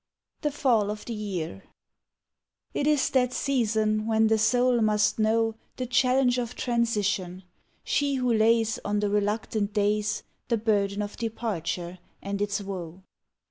35 THE FALL OF THE YEAR It is that season when the soul must know The challenge of Transition, she who lays On the reluctant days The burden of departure and its woe.